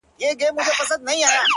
زه د یویشتم قرن ښکلا ته مخامخ یم’